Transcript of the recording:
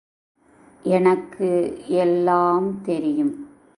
எனக்கு எல்லாம், தெரியும்.